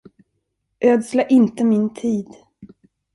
Ödsla inte min tid.